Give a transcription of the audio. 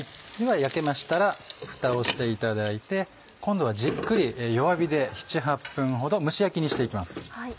では焼けましたらふたをしていただいて今度はじっくり弱火で７８分ほど蒸し焼きにして行きます。